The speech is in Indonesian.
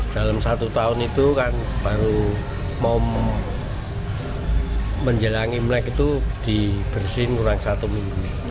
dalam satu tahun itu kan baru mau menjelang imlek itu dibersihin kurang satu minggu